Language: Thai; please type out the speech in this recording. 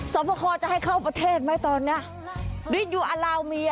สมปครจะให้เข้าประเทศไหมตอนนี้